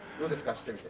走ってみて。